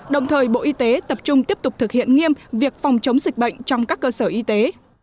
đồng thời bộ y tế tập trung tiếp tục thực hiện nghiêm việc phòng chống dịch bệnh trong các cơ sở y tế